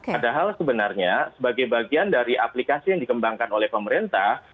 padahal sebenarnya sebagai bagian dari aplikasi yang dikembangkan oleh pemerintah